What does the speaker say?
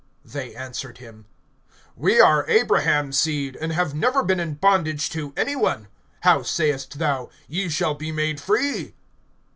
(33)They answered him: We are Abraham's seed, and have never been in bondage to any one. How sayest thou: Ye shall be made free?